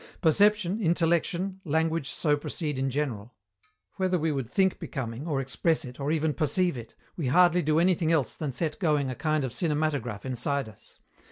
Perception, intellection, language so proceed in general. Whether we would think becoming, or express it, or even perceive it, we hardly do anything else than set going a kind of cinematograph inside us.